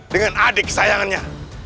dengan adik sayangannya